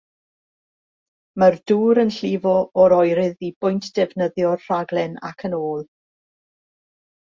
Mae'r dŵr yn llifo o'r oerydd i bwynt defnyddio'r rhaglen ac yn ôl.